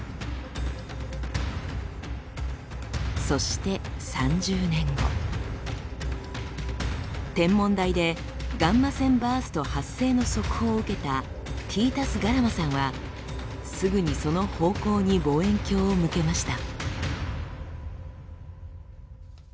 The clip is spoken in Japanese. そして３０年後天文台でガンマ線バースト発生の速報を受けたティータス・ガラマさんはすぐにその方向に望遠鏡を向けました。